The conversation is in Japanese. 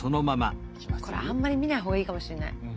これあんまり見ない方がいいかもしれない。